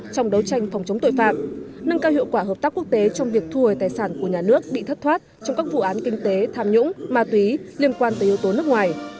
của nhà nước bị thất thoát trong các vụ án kinh tế tham nhũng ma túy liên quan tới yếu tố nước ngoài